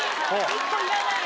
１個いらない！